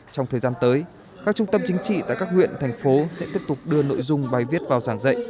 trong thời gian tới các trung tâm chính trị tại các huyện thành phố sẽ tiếp tục đưa nội dung bài viết vào giảng dạy